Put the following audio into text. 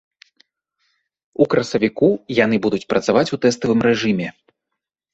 У красавіку яны будуць працаваць у тэставым рэжыме.